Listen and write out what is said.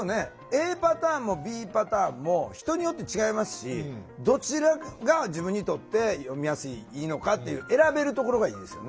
ＡパターンもＢパターンも人によって違いますしどちらが自分にとって読みやすいのかっていう選べるところがいいですよね。